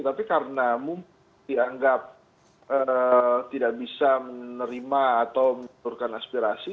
tapi karena mungkin dianggap tidak bisa menerima atau menurunkan aspirasi